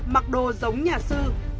mặc đồ giống nhà sư